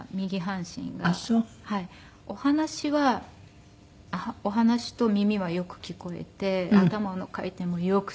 お話はお話と耳はよく聞こえて頭の回転も良くて。